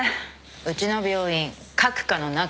うちの病院各科の仲